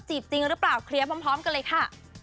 จริงหรือเปล่าเคลียร์พร้อมกันเลยค่ะ